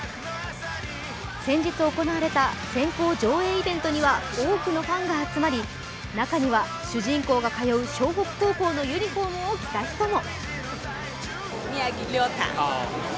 先日行われた先行上映イベントには多くのファンが集まり中には主人公が通う湘北高校のユニフォームを着た人も。